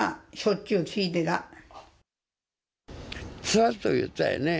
ちらっと言ったよね。